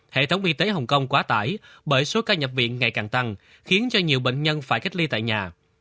hệ thống y tế hồng kông quá tải bởi số ca nhập viện ngày càng tăng khiến cho nhiều bệnh nhân phải cách ly tại nhà